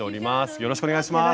よろしくお願いします。